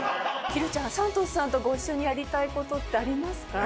ひるちゃん三都主さんとご一緒にやりたい事ってありますか？